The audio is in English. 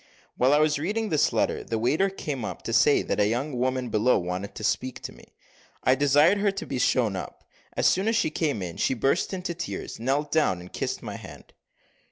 While I was reading this letter the waiter came up to say that a young woman below wanted to speak to me. I desired her to be shown up. As soon as she came in, she burst into tears, knelt down, and kissed my hand.